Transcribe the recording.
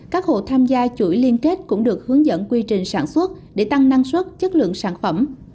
các hộ tham gia chuỗi liên kết cũng được hướng dẫn quy trình sản xuất để tăng năng suất chất lượng sản phẩm